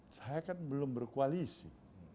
saya kan belum berkoalisi